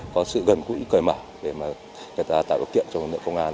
có sự gần gũi cười mở để người ta tạo kiện cho lực công an